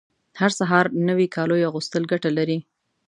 هر سهار نوي کالیو اغوستل ګټه لري